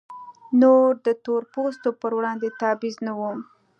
نور د تور پوستو پر وړاندې تبعیض نه و.